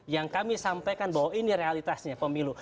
yang kami sampaikan bahwa ini realitasnya pemilu